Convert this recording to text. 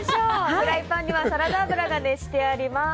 フライパンにはサラダ油が熱してあります。